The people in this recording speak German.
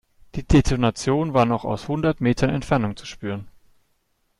Die Detonation war noch aus hundert Metern Entfernung zu spüren.